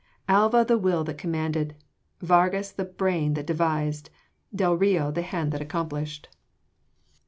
Alva the will that commanded! Vargas the brain that devised! Del Rio the hand that accomplished!